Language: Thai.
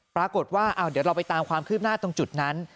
ปรากฏว่าเดี๋ยวเราไปตามความคืบหน้าตรงจุดนั้น